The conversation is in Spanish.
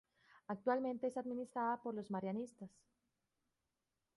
Actualmente es administrada por los marianistas.